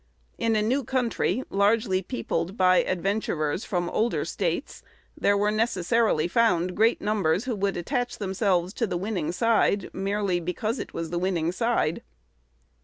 In a new country largely peopled by adventurers from older States, there were necessarily found great numbers who would attach themselves to the winning side merely because it was the winning side.